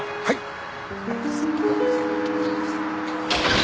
はい。